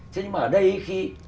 thế nhưng mà ở đây khi